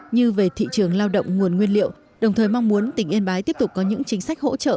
như về thị trường lao động nguồn nguyên liệu đồng thời mong muốn tỉnh yên bái tiếp tục có những chính sách hỗ trợ